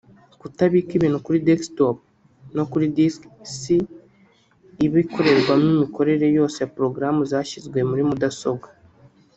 Kutabika ibintu kuri desktop no kuri disc C iba ikorerwamo imikorere yose ya porogaramu zashyizwe muri mudasobwa